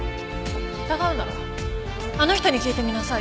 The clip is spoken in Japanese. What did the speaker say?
疑うならあの人に聞いてみなさいよ。